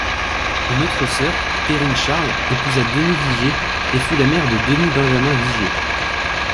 Une autre sœur, Périne-Charles, épousa Denis Viger et fut la mère de Denis-Benjamin Viger.